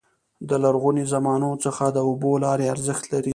د لرغوني زمانو څخه د اوبو لارې ارزښت لري.